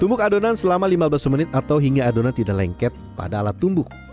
tumbuk adonan selama lima belas menit atau hingga adonan tidak lengket pada alat tumbuk